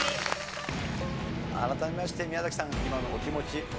改めまして宮崎さん今のお気持ち。